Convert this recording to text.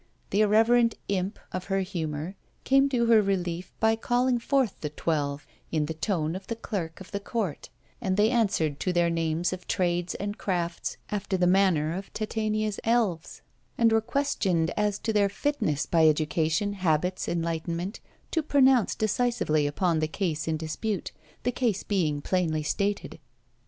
The irreverent imp of her humour came to her relief by calling forth the Twelve, in the tone of the clerk of the Court, and they answered to their names of trades and crafts after the manner of Titania's elves, and were questioned as to their fitness, by education, habits, enlightenment, to pronounce decisively upon the case in dispute, the case being plainly stated.